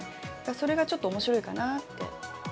それがちょっとおもしろいかなって。